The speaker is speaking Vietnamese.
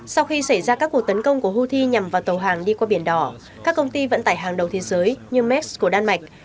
sau khi xảy ra các cuộc tấn công của houthi nhằm vào tàu hàng đi qua biển đỏ các công ty vận tải hàng đầu thế giới như max của đan mạch